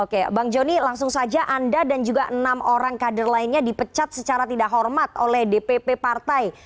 oke bang joni langsung saja anda dan juga enam orang kader lainnya dipecat secara tidak hormat oleh dpp partai